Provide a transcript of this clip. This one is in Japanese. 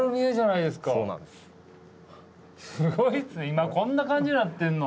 今こんな感じになってんの！？